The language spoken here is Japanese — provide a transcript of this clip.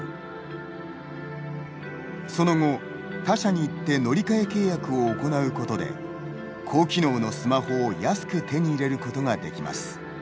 その後他社に行って乗り換え契約を行うことで高機能のスマホを安く手に入れることができます。